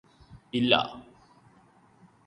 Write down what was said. ഇല്ലാ